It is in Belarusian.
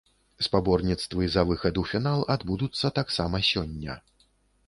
Спаборніцтвы за выхад у фінал адбудуцца таксама сёння.